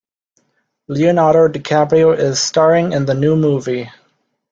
Leonardo DiCaprio is staring in the new movie.